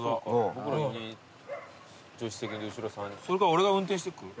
それか俺が運転してく？